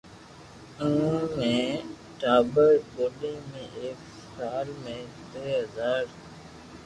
اووي ۾ ٽاٻر ٻودي ۾ ايڪ سال ۾ دھي ھزار